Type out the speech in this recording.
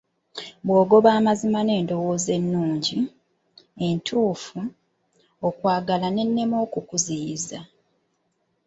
Bw'ogoba amazima n'endowooza ennungi, entuufu, okwagala ne kulema okukuziyiza.